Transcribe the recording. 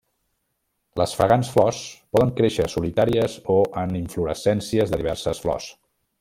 Les fragants flors poden créixer solitàries o en inflorescències de diverses flors.